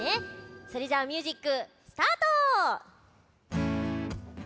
それじゃミュージックスタート！